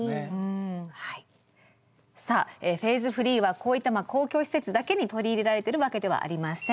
さあフェーズフリーはこういった公共施設だけに取り入れられてるわけではありません。